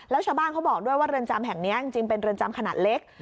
แล้วชาวบ้านเขาบอกด้วยว่าเรือนจำแห่งนี้จริงเป็นเรือนจำขนาดเล็ก